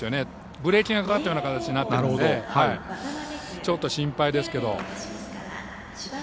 ブレーキがかかったような形になっていたのでちょっと心配ですけど。